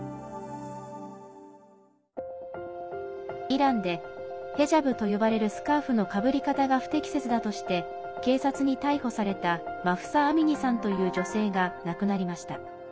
イランでヘジャブと呼ばれるスカーフのかぶり方が不適切だとして警察に逮捕されたマフサ・アミニさんという女性が亡くなりました。